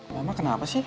mama kenapa sih